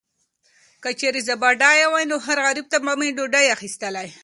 که چیرې زه بډایه وای، نو هر غریب ته به مې ډوډۍ اخیستله.